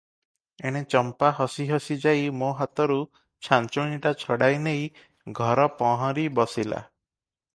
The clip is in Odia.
ଏଣେ ଚମ୍ପା ହସି ହସି ଯାଇ ମା ହାତରୁ ଛାଞ୍ଚୁଣିଟା ଛଡ଼ାଇ ନେଇ ଘର ପହଁରି ବସିଲା ।